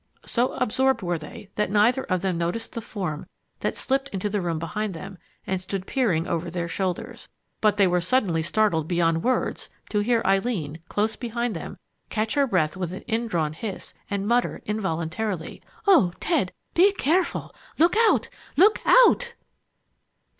So absorbed were they that neither of them noticed the form that slipped into the room behind them and stood peering over their shoulders. But they were suddenly startled beyond words to hear Eileen, close behind them, catch her breath with an indrawn hiss, and mutter involuntarily: "Oh, Ted! Be careful! Look out! _Look out!